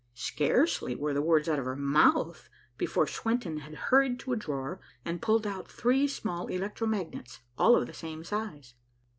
Scarcely were the words out of her mouth, before Swenton had hurried to a drawer, and pulled out three small electro magnets, all of the same size.